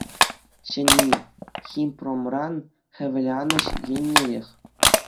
Ҫӗнни – «Химпромран» хӗвеланӑҫ еннерех.